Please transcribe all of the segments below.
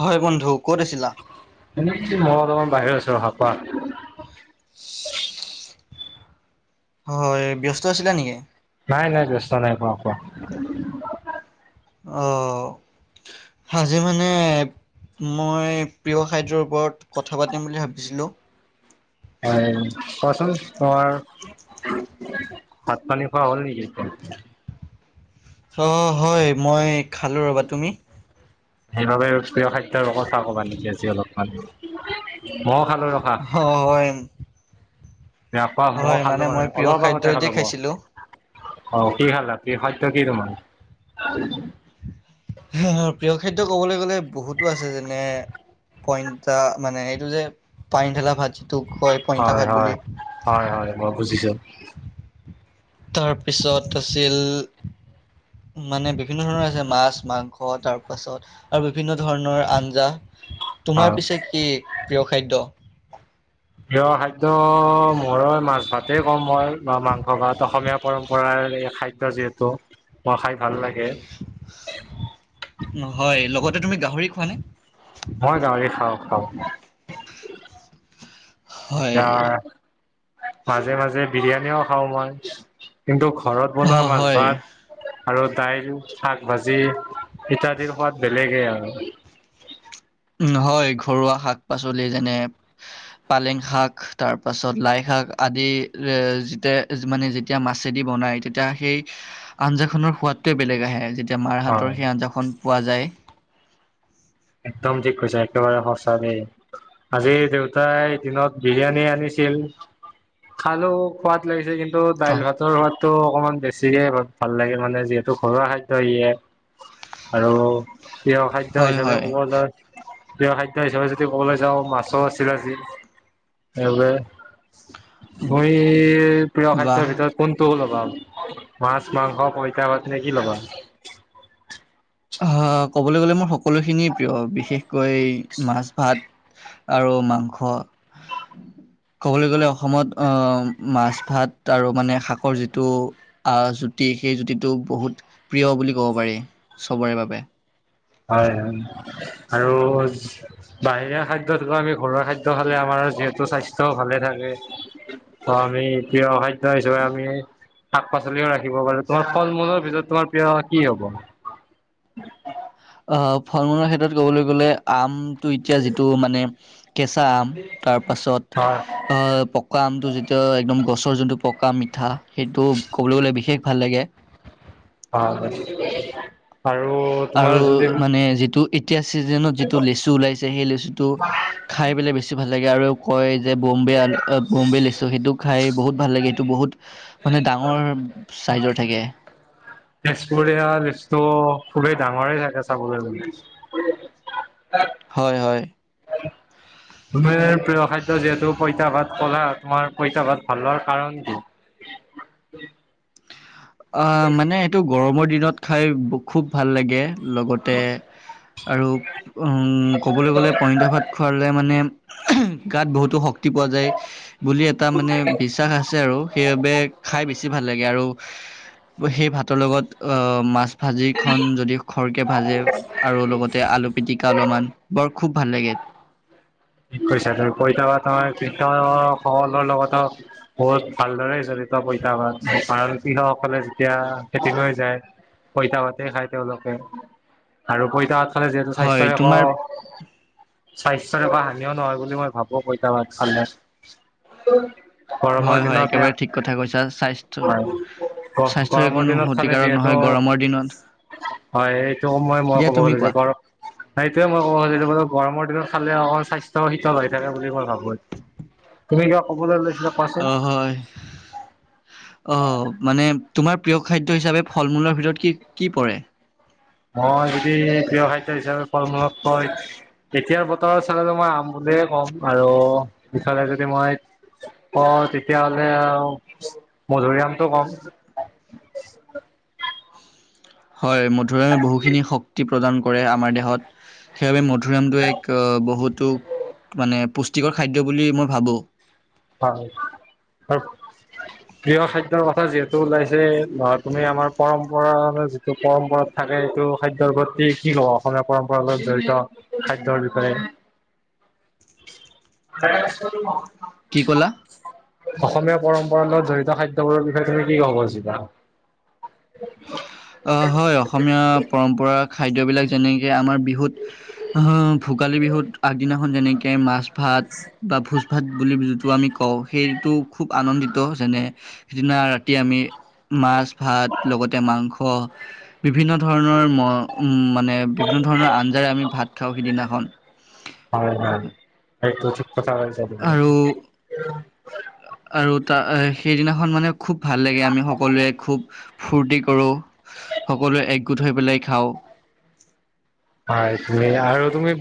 হয় বন্ধু। ক'ত আছিলা? মই অলপমান বাহিৰত আছো [unintelligible] হয় ব্যস্ত আছিলা নেকি? নাই নাই ব্যস্ত নাই পোৱা, কোৱা। অ আজি মানে মই প্ৰিয় খাদ্যৰ ওপৰত কথা পাতিম বুলি ভাবিছিলোঁ। হয় কোৱাচোন, তোমাৰ ভাত পানী খোৱা হ'ল নেকি? অ হয় মই খালো ৰ'বা। তুমি? সেইবাবে প্ৰিয় খাদ্যৰ কথা কবা নেকি আজি অলপমান। খালো ৰখা অ হয়। হয় মানে মই [unintelligible] প্ৰিয় অলপ খাদ্য আগতে এতিয়া খাইছিলোঁ। অহ কি খালা, প্ৰিয় খাদ্য কি তোমাৰ? প্ৰিয় খাদ্য কবলৈ গলে বহুতো আছে। যেনে, পইতা মানে এইটো যে পানী ধলা ভাত কয় পইতা হয় ভাত হয় বুলি। হয় হয় মই বুজিছো। তাৰপিছত আছিল মানে বিভিন্ন ধৰণৰ আছে, মাছ মাংস তাৰপাছত আৰু বিভিন্ন ধৰণৰ আঞ্জা। হয় তোমাৰ পিছে কি, প্ৰিয় খাদ্য? প্ৰিয় খাদ- ত মৰ মাছ ভাত। তে কম মই মাংস ভাত, অসমীয়া পৰম্পৰাৰ খাদ্য যিহেতু। হ খাদ- ভাল লাগে। নহয়। লগতে তুমি গাহৰি খোৱা নে? হয় গাহৰি খাও খাও। হয়, এতিয়া মাজে মাজে বিৰিয়ানীও, খাও মই। কিন্তু, ঘৰত বনোৱা অ' হয়। মাছ-ভাত আৰু দাইল শাক ভাজি ইত্যাদিৰ সোৱাদ বেলেগেই আৰু। উম' হয়, ঘৰুৱা শাক-পাচলি যেনে পালেং শাক তাৰ পাছত লাই-শাক আদি এ যেতিয়া মানে যেতিয়া মাছেদি বনাই তেতিয়া সেই আঞ্জা খনৰ সোৱাদতোয়ে বেলেগ আহে। যেতিয়া মাৰ হাতৰ হয় সেই আঞ্জাখন পোৱা যায়। একদম ঠিক কৈছা। একেবাৰে সচা দেই, আজি দেউতাই দিনত বিৰিয়ানী আনিছিল, খালোঁ খোৱাদ লাগিছে কিন্তু তো দাইল অহ, ভাতৰ সোৱাদ টো অকমান বেছিকে ভাল লাগে মানে। যিহেতু ঘৰুৱা খাদ্যয় ইয়ে আৰু প্ৰিয় খাদ্য হয়, হিচাপে হয়, প্ৰিয় খাদ্য হিচাপে, যদি ক'বলৈ যাওঁ, মাছোঁ আছিলে আজি। সেইবাবে তুমি, প্ৰিয় বাহ। খাদ্যৰ ভিতৰত কোনটো ল'বা? মাছ, মাংস, পইতাঁভাত। কি ল'বা? অ! ক'বলৈ গলে মোৰ সকলোখিনিয় প্ৰিয়। বিশেষকৈ মাছ-ভাত আৰু মাংস। ক'বলৈ গ'লে অসমত আহ মাছ-ভাত আৰু মানে শাকৰ যিটো আহ জুতি সেই জুতিটো বহুত প্ৰিয় বুলি ক'ব পাৰি। চবৰে বাবে। হয়, হয়। আৰু বাহিৰা খাদ্যতকৈ আমি ঘৰুৱা খাদ্য খালে আমাৰ যিহেতু স্বাস্থ্যও ভালে থাকে। ত আমি প্ৰিয় খাদ্য হিচাপে আমি শাক-পাচলি ৰাখিব পাৰো তোমাৰ ফল মূলৰ ভিতৰত তোমাৰ প্ৰিয় কি হ'ব? অ' ফল-মূলৰ ক্ষেত্ৰত কবলৈ গ'লে আমটো এতিয়া যিটো মানে কেঁচা আম, তাৰ পাছত হয় পকা আমটো যেতিয়া একদম গছ যোনটো পকা-মিঠা সেইটো ক'বলৈ গ'লে বিশেষ ভাল লাগে। হয়। আৰু মানে যিটো এতিয়া চিজনত যিটো লিচু ওলাইছে সেই লিচু টো খাই পেলাই বেছি ভাল লাগে। আৰু কয় যে বম্বে, বম্বে লিছো সেইটো খাই বহুত ভাল লাগে। সেইটো বহুত মানে ডাঙৰ চাইজৰ থাকে। তেজপুৰীয়া লিষ্টটো খুবেই ডাঙৰে থাকে চাবলৈ গ'লে। হয়! হয়! তুমি প্ৰিয় খাদ্য যিহেতু পইতাঁ ভাত ক'লা। তোমাৰ পঁইতা ভাত ভালোৱাৰ কাৰণ কি? অ' মানে এইটো গৰমৰ দিন দিনত খাই খুউব ভাল লাগে। লগতে আৰু উম', ক'বলৈ গ'লে পইতাঁ ভাত খোৱালে মানে গাত বহুতো শক্তি পোৱা যায়। বুলি এটা মানে বিশ্বাস আছে আৰু সেইবাবে খাই বেছি ভাল লাগে আৰু সেই ভাতৰ লগত অ' মাছ ভাজি খন যদি খৰকে ভাজে, আৰু লগতে আলু পীতিকা অলপমান বৰ খুব ভাল লাগে। ঠিক কৈছা বাৰু। পইতাঁ ভাত কৃষকসকলৰ লগতো বহুত ভালদৰে জড়িত পইতা ভাত। কাৰণ কৃষকসকলে যেতিয়া খেতি লৈ যায় পঁইতা ভাতে খায়। তেওঁলোকে আৰু পঁইতা ভাত খালে যিহেতু হয় স্বাস্থ্যৰে একো তোমাৰ স্বাস্থ্যৰ একো হানি ও নহয় বুলি মই ভাবোঁ পঁইতা ভাত খালে। গৰমৰ হয় হয় দিনত, একেবাৰে ঠিক কথা কৈছা স্বাস্থ্য হয়! স্বাস্থ্যৰ গৰমৰ কোনো দিনত খালে ক্ষতিকাৰক যিহেতু নহয় গৰমৰ দিনত হয়্ এইটো মই মই দিয়া ক'ব তুমি কোৱা খুজিছোঁ গৰম, এইটোৱে মই ক'ব খুজিছোঁ, গৰমৰ দিনত [unintelligible] স্বাস্থ্য শীত শীতল হৈ থাকে বুলি মই ভাবো, তুমি কিবা ক'বলৈ লৈছিলা কোৱাচোন অ হয়, অ মানে তোমাৰ প্ৰিয় খাদ্য হিচাপে ফল মূলৰ ভিতৰত কি কি পৰে? মই যদি প্ৰিয় খাদ্য হিচাপে ফল মূলত কও তেতিয়া ত চাই লম মই আম বুলিয়ে ক'ম আৰু ইফালে যদি মই কওঁ তেতিয়াহলে মধুৰি আমটো কম। হয় মধুৰিআমে বহুখিনি শক্তি প্ৰদান কৰে আমাৰ দেহত, সেইবাবে ম মধুৰী আমটোৱে এক বহুত টো মানে পুষ্টিকৰ খাদ্য বুলি মই ভাবোঁ। হয় আৰু প্ৰিয় খাদ্যৰ কথা যিহেতু ওলাইছে, তুমি আমাৰ পৰম্পৰা মানে যিটো পৰম্পৰা থাকে সেইটো খাদ্যৰ প্ৰতি কি কব অসমীয়া পৰম্পৰ লগত জড়িত খাদ্যৰ বিষয়ে। কি ক'লা? অসমীয়া পৰম্পৰা লগত জড়িত খাদ্যবোৰৰ বিষয়ে তুমি কি কব খুজিবা? আহ হয়, অসমীয়া পৰম্পৰা খাদ্যবিলাক যেনেকে আমাৰ বিহুত, আহ ভোগালী বিহুত আগদিনাখন যেনেকে মাছ ভাত বা ভোজ ভাত বুলি যিটো আমি কওঁ সেইটো খুব আনন্দিত যেনে সিদিনা ৰাতি আমি মাছ, ভাত লগতে মাংস, বিভিন্ন ধৰণৰ উম মানে এ বিভিন্ন ধৰণৰ আঞ্জাৰে আমি ভাত খাওঁ সিদিনাখন। এইটো আৰু, আৰু তাৰ সেইদিনা খন মানে খুব ভাল লাগে আমি সকলোৱে খুব ফূৰ্তি কৰোঁ, সকলোৱে একগোট হৈ পেলাই খাওঁ। হয় তুমি আৰু তুমি,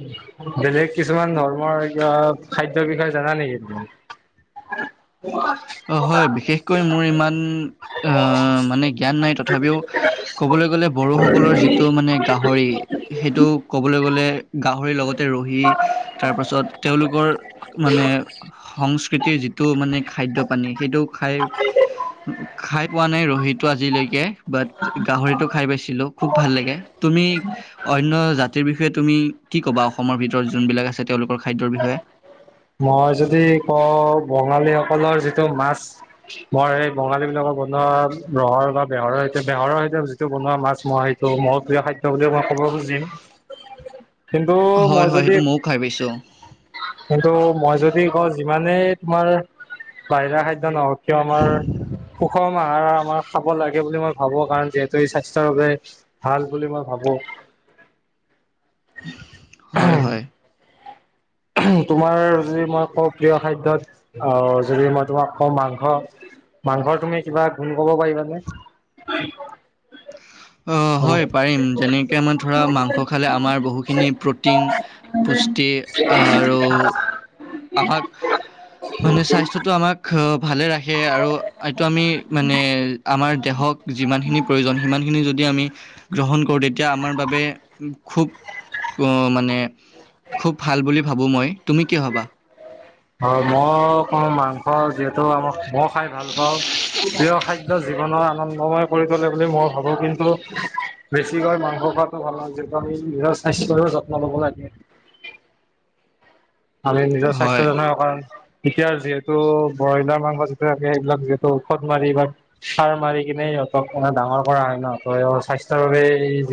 বেলেগ কিছুমান ধৰ্মৰ কিবা খাদ্যৰ বিষয়ে জানা নেকি তুমি? অ হয়, বিশেষকৈ মোৰ ইমান আহ মানে জ্ঞান নাই তথাপিও কবলৈ গলে বড়োসকলৰ যিটো মানে গাহৰি সেইটো ক'বলৈ গলে গাহৰিৰ লগতে ৰহি তাৰপাছত তেওঁলোকৰ মানে সংস্কৃতিৰ যিটো মানে খাদ্য পানী সেইটো খাই, খাই পোৱা নাই ৰহিটো আজিলৈকে বাট গাহৰিটো খাই পাইছিলো খুব ভাল লাগে, তুমি অন্য জাতিৰ বিষয়ে তুমি কি ক'বা অসমৰ ভিতৰত যোনবিলাক আছে তেওঁলোকৰ খাদ্যৰ বিষয়ে মই যদি কওঁ বঙালীসকলৰ যিটো মাছ, মই সেই বঙালীবিলাকৰ বনোৱা ৰহৰ বা বেহৰৰ সৈতে বেহৰৰ সৈতে যিটো বনোৱা মাছ মই সেইটো মোৰ প্ৰিয় খাদ্য বুলি মই ক'ব খুজিম। কিন্তু মই হয়- হয় যদি সেইটো ময়ো খাই পাইছোঁ। কিন্তু মই যদি কওঁ যিমানেই তোমাৰ বাহিৰা খাদ্য নহওক কিয় আমাৰ সুষম আহাৰ, আমাৰ খাব লাগে। সেই বুলি মই ভাবো কাৰণ যিহেতু ই -স্বাস্থ্যৰ বাবে ভাল বুলি মই ভাবো। হয় - হয়। তোমাৰ যদি মই কওঁ প্ৰিয় খাদ্যত আহ, যদি মই তোমাক কওঁ মাংস। মাংসৰ তুমি কিবা গুণ কব পাৰিবানে? অ, হয় পাৰিম। যেনেকে আমাৰ ধৰা মাংস খালে আমাৰ বহুখিনি প্ৰটিন, পুষ্টি আৰু আমাক মানে স্বাস্থ্যটো আমাক ভালে ৰাখে খে আৰু এইটো আমি মানে আমাৰ দেহক যিমানখিনি প্ৰয়োজন সিমান খিনি যদি আমি আমি গ্ৰহণ কৰো তেতিয়া আমাৰ বাবে খুব অ, মানে খুব ভাল বুলি ভাবো মই। তুমি কি ভাবা? হয় মই কওঁ মাংসৰ যিহেতু আমাক মই খাই ভাল পাওঁ। প্ৰিয় খাদ্য জীৱনৰ আনন্দময় কৰি তোলে বুলি মই ভাবো, কিন্তু বেছিকৈ মাংস খোৱটো ভাল নহয়। যিহেতু আমি নিজৰ স্বাস্থ্যটো যত্ন লব লাগে। আমি নিজৰ হয় স্বাস্থ্যজনিত কাৰন এতিয়া যিহেতু ব্ৰইলাৰ মাংস যিটো থাকে, সেইবিলাক যিহেতু ঔষধ মাৰি বা সাৰ মাৰি কিনে সিহঁতক মানে ডাঙৰ কৰা হয় ন! স্বাস্থ্যৰ বাবে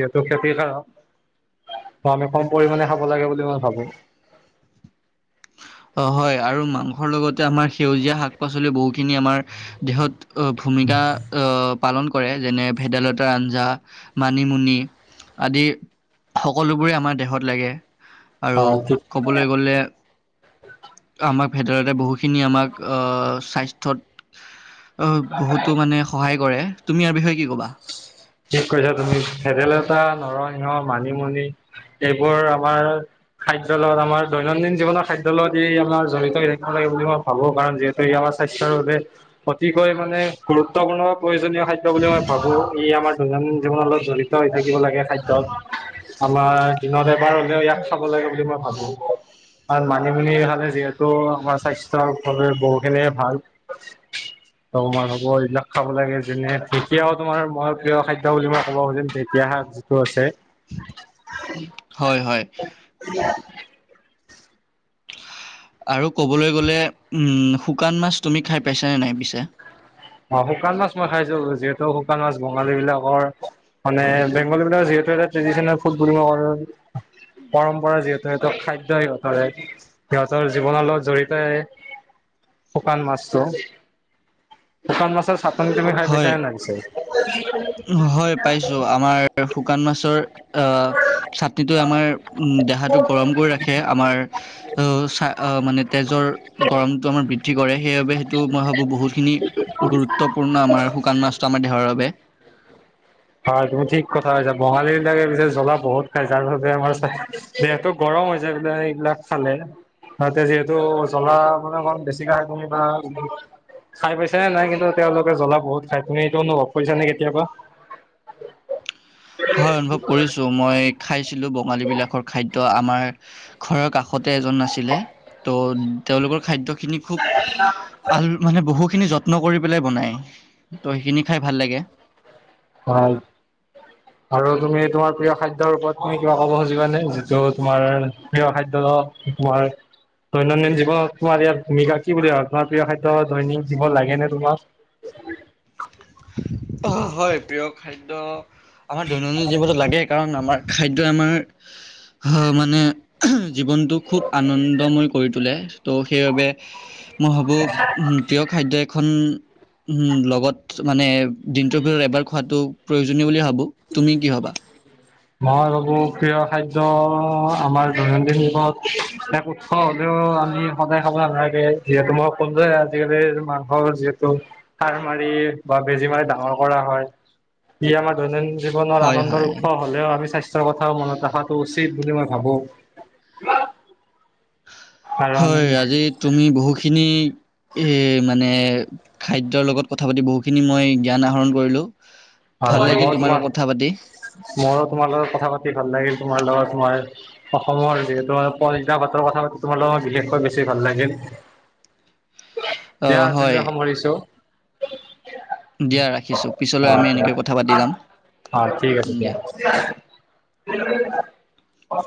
যিহেতু ক্ষতিকাৰক। আমি কম পৰিমাণে খাব লাগে বুলি মই ভাবো। অ' হয় আৰু মাংসৰ লগতে আমাৰ সেউজীয়া শাক- পাচলি বহুখিনি আমাৰ দেহত ভূমিকা অহ পালন কৰে। যেনে -ভেদাইলতাৰ আঞ্জা, মানিমুনি আদি সকলোবোৰে আমাৰ দেহত লাগে। আৰু অ ঠিক ক'বলৈ গলে আমাক ভেদাইলতাই বহুখিনি আমাক অহ, স্বাস্থ্যত বহুতো মানে সহায় কৰে। তুমি ইয়াৰ বিষয়ে কি ক'বা ঠিক কৈছা তুমি। ভেদাইল তা নৰসিংহ, মানিমুনি এইবোৰ আমাৰ খাদ্যৰ লগত, আমাৰ দৈনন্দিন জীৱনৰ খাদ্যৰ লগত ই আমাৰ জড়িত হৈ থাকিব লাগে বুলি মই ভাবো। কাৰণ যিহেতু ই আমাৰ স্বাস্থ্যৰ বাবে অতিকৈ মানে গুৰুত্বপূৰ্ণ প্ৰয়োজনীয় খাদ্য বুলি মই ই আমাৰ দৈনন্দিন জীৱন অলপ জড়িত হৈ থাকিব লাগে খাদ্যত। আমাৰ দিনতে এবাৰ হ'লেও ইয়াক খাব লাগে বুলি মই ভাবো। আৰু মানিমুনি খালে যিহেতু আমাৰ স্বাস্থ্যৰ ভাৱে বহুখিনিয়ে ভাল। ত' মই ভাবো এইবিলাক খাব লাগে যেনে ঢেকীয়াও তোমাৰ মই প্ৰিয় খাদ্য বুলি মই ক'ব খুজিম। ঢেকীয়া- শাক যিটো আছে হয় - হয়। আৰু ক'বলৈ গ'লে উম, শুকান মাছ তুমি খাই পাইছা নে নাই পিছে? অ' শুকান মাছ মই খাইছো। যিহেতু শুকান মাছ বঙালী বিলাকৰ মানে বেংগলী বিলাকৰ যিহেতু এটা ট্ৰেডিচনেল ফুড বুলি কব পাৰোঁ, পৰম্পৰা যিহেতু সেতু খাদ্য সিহঁতৰে। সিহঁতৰ জীৱনৰ লগত জড়িতয়ে শুকান মাছটো। শুকান মাছৰ চাত নি তুমি খাই পাইছা হয় নে নাই পিছে? [unintelligible] হয় পাইছো। আমাৰ শুকান মাছৰ আহ চাটনিটোৱে আমাৰ উম দেহাটো গৰম কৰি ৰাখে, আমাৰ আহ চ মানে তেজৰ গৰমটো আমাৰ বৃদ্ধি কৰে। সেইবাবে সেইটো মই ভাবো বহুতখিনি গুৰুত্বপূৰ্ণ আমাৰ শুকান মাছটো আমাৰ দেহৰ বাবে। [unintelligible] হয় তুমি ঠিক কথা কইছা বঙালী বিলাকে পিছে জ্বলা বহুত খাই। যাৰ বাবে আমাৰ যিহেতু গৰম হৈ যায় বোলে এইবিলাক খালে। তাহাতে যিহেতু জ্বলা মানে অমান বেছিকে খাই তুমি বা খাই পাইছা নে নাই। কিন্তু তেওঁলোকে জ্বলা বহুত খাই তুমি এইটো অনুভৱ কৰিছা নে কেতিয়াবা? [inaudible] হয় অনুভৱ কৰিছোঁ, মই খাইছিলো ব- বঙালীবিলাকৰ খাদ্য- ত' আমাৰ ঘৰৰ কাষতে এজন আছিলে ত' তেওঁলোকৰ খাদ্য- খিনি খুব, বহু খিনি যত্ন কৰি বনাই, তো সেইখিনি খাই ভাল লাগে। হয়! আৰু তুমি তোমাৰ প্ৰিয় খাদ্যৰ ওপৰত তুমি কিবা ক'ব খুজিবা নে, যিটো তোমাৰ প্ৰিয় খাদ্য তোমাৰ দৈনন্দিন জীৱন তোমাৰ ইয়াত ভূমিকা কি বুলি ভ তোমাৰ প্ৰিয় খাদ্য দৈনিক জীৱন লাগে নে তোমাক? হয় প্ৰিয় খাদ্য আমাৰ দৈনন্দিন জীৱনত লাগে। কাৰণ আমাৰ খাদ্য আমাৰ মানে জীৱনটো খুব আনন্দময় কৰি তোলে ত' সেইবাবে মই ভাবোঁ প্ৰিয় খাদ্য এখন উম লগত মানে, দিনটোৰ ভিতৰত এবাৰ খোৱাতটো প্ৰয়োজনীয় বুলি ভাবোঁ। তুমি কি ভাবা? মই ভাবোঁ প্ৰিয় খাদ্য আমাৰ দৈনন্দিন জীৱনত এক উৎস হ'লেও, আমি সদায় খাব নালাগে, যিহেতু মই ক'লো যে আজিকালিৰ মাংসৰ যিহেতু সাৰ মাৰি বা বেজী মাৰি ডাঙৰ কৰা হয় ই আমাৰ দৈনন্দিন জীৱনৰ হয় আনন্দৰ হয় উৎস হ'লেও আমি স্বাস্থ্য কথাও মনত ৰখাটো উচিত বুলি মই ভাবোঁ হয়! আজি তুমি বহুখিনি এ মানে খাদ্যৰ লগত কথা পাতি বহুতখিনি মই জ্ঞান আহৰণ কৰিলোঁ হয়, ময়ো তোমাৰ, ময়ো তোমাৰ লগত কথা পাতি ভাল লাগিল, ‌ তোমাৰ লগত তোমাৰ অসমৰ যিহেতু পঁইতা ভাতৰ কথা পাতি তোমাৰ লগৰ বিশেষ কৈ বেছি ভাল লাগিল দিয়া অ', হয় আজিলৈ সামৰিছোঁ দিয়া ৰাখিছোঁ, পিছলৈ আমি দিয়া এনেকেই কথা পাতি যাম। অ' ঠিক আছে দিয়া অ'!